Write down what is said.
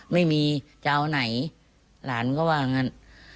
ไม่มีจะเอาไหนหลานก็ว่างั้น